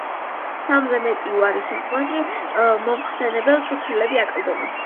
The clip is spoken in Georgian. სამზე მეტი უარის შემთხვევაში მომხსენებელს ქულები აკლდება.